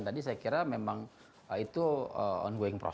jadi misalnya kita sudah melakukan catatan yang sudah diperoleh